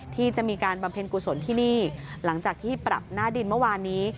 ที่จะมีการบำเพ็ญกุศลที่นี่หลังจากที่ปรับหน้าดินเมื่อวานนี้